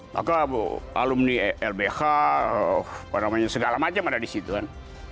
maka alumni lbh segala macam ada di situ kan